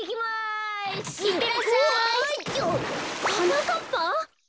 はなかっぱ！？